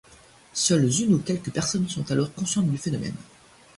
Seules une ou quelques personnes sont alors conscientes du phénomène.